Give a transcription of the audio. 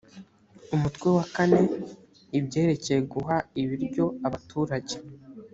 umutwe wa kane, ibyerekeye guha ibiryo abaturage.